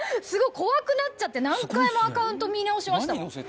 すごい怖くなっちゃって何回もアカウント見直しましたもん。